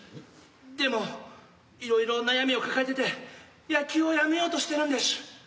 でもいろいろ悩みを抱えてて野球をやめようとしてるんでしゅ。